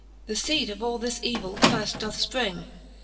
The feede of all this evill firft doth fpring.